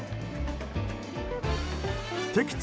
敵地